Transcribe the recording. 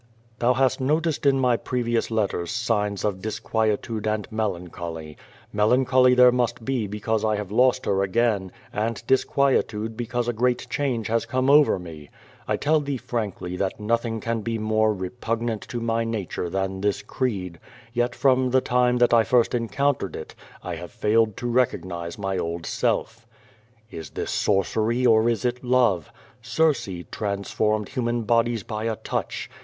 Thou hast noticed in my previous letters signs of disquie tude and melancholy. Melancholy there must be because I have lost her again, and disquietude l)ecausc a great change has come over me. I tell thee frankly that nothing can bo more repugnant to my nature than this creed, yet from the QVO VADIS, 225 time tliat I first encountered it, I have failed to recognize my old self. Is this sorcery or is it love? Circe transformed human bodies by a touch.